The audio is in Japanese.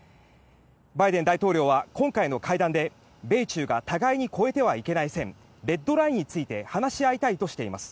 バイデン大統領は今回の会談で米中が互いに越えてはいけない線レッドラインについて話し合いたいとしています。